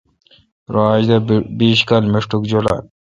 رو اج دا بیش کال مݭٹک جولال۔